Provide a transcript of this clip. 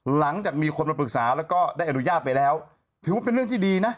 หลังจากมีคนมาปรึกษาแล้วก็ได้อนุญาตไปแล้วถือว่าเป็นเรื่องที่ดีนะ